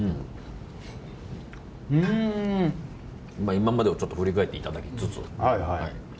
今までを振り返っていただきつつ。